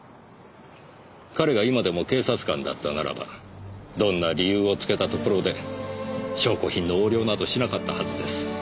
彼が今でも警察官だったならばどんな理由をつけたところで証拠品の横領などしなかったはずです。